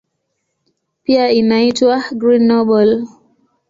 Pia inaitwa "Green Nobel".